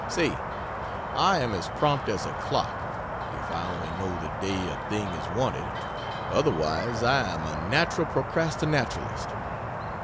Say I am as prompt as a clock, if I only know the day a thing is wanted otherwise I am a natural procrastinaturalist.